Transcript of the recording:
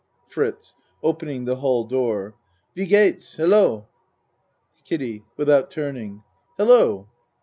FRITZ (Opening the hall door.) Wie gehts. Hello. KIDDIE (Without turning.) Hello!